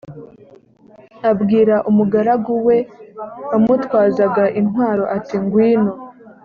abwira umugaragu we wamutwazaga intwaro ati ngwino.